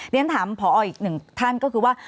เรียนถามผออีกหนึ่งท่านก็คือว่า